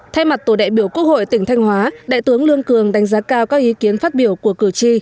thay mặt tổ đại biểu quốc hội tỉnh thanh hóa đại tướng lương cường đánh giá cao các ý kiến phát biểu của cử tri